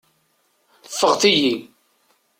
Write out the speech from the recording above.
Ffeɣt-iyi.